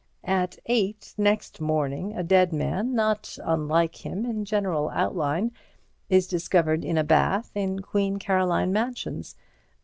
At eight next morning a dead man, not unlike him in general outline, is discovered in a bath in Queen Caroline Mansions.